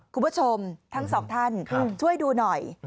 คุณผู้ชมทั้งสองท่านช่วยดูหน่อย